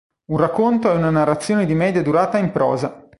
Un racconto è una narrazione di media durata in prosa.